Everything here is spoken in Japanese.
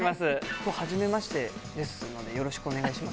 きょうはじめましてですよね、よろしくお願いします。